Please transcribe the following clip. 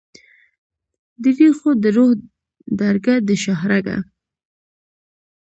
درېښو دروح درګه ، دشاهرګه